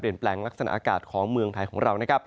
เปลี่ยนแปลงลักษณ์อากาศของเมืองไทยของเรา